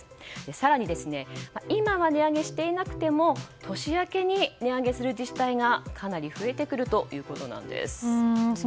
更に、今は値上げしていなくても年明けに値上げする自治体がかなり増えてくるということです。